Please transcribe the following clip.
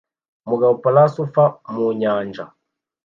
Umugabo parasurfs mu nyanja